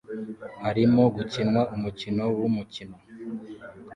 Harimo gukinwa umukino wumukino